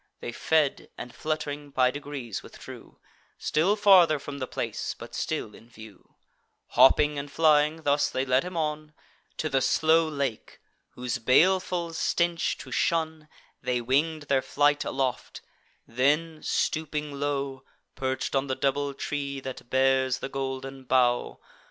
They fed, and, flutt'ring, by degrees withdrew Still farther from the place, but still in view: Hopping and flying, thus they led him on To the slow lake, whose baleful stench to shun They wing'd their flight aloft; then, stooping low, Perch'd on the double tree that bears the golden bough.